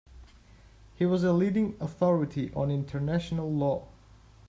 He was a leading authority on international law.